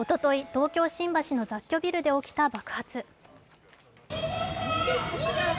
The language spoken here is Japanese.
東京・新橋の雑居ビルで起きた爆発。